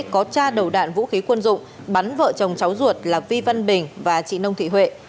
có cha đầu đạn vũ khí quân dụng bắn vợ chồng cháu ruột là vi văn bình và chị nông thị huệ